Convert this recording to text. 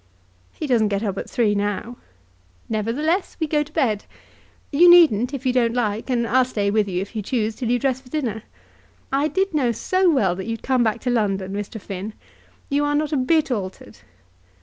"He doesn't get up at three now." "Nevertheless we go to bed. You needn't if you don't like, and I'll stay with you if you choose till you dress for dinner. I did know so well that you'd come back to London, Mr. Finn. You are not a bit altered."